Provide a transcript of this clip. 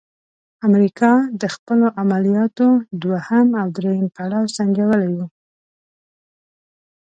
امریکا د خپلو عملیاتو دوهم او دریم پړاو سنجولی وو.